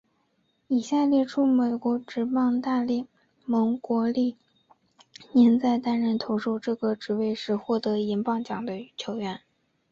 以下列出美国职棒大联盟国联历年在担任投手这个位置时获得银棒奖的球员。